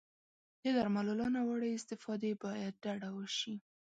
د درملو له ناوړه استفادې باید ډډه وشي.